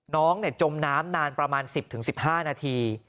จมน้ำนานประมาณ๑๐๑๕นาที